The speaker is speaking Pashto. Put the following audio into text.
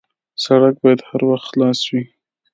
سړک باید هر وخت خلاص وي.